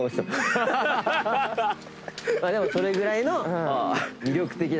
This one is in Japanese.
でもそれぐらいの。